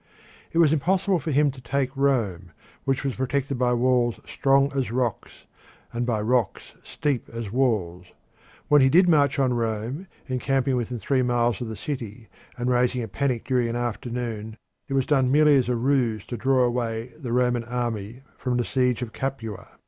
It was impossible for him to take Rome, which was protected by walls strong as rocks and by rocks steep as walls. When he did march on Rome, encamping within three miles of the city and raising a panic during an afternoon, it was done merely as a ruse to draw away the Roman army from the siege of Capua.